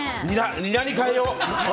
ニラに変えよう！